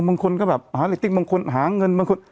บางคนก็แบบหาอะไรติ๊กบางคนหาเงิน